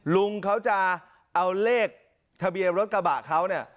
ลุงเขาจะเอาเลขทะเบียนรถกระบะเขาเนี่ย